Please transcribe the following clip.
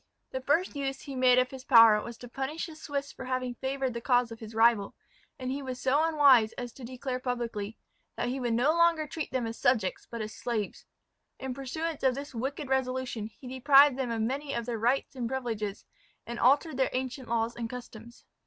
The first use he made of his power was to punish the Swiss for having favoured the cause of his rival; and he was so unwise as to declare publicly, "that he would no longer treat them as subjects, but as slaves." In pursuance of this wicked resolution he deprived them of many of their rights and privileges, and altered their ancient laws and customs.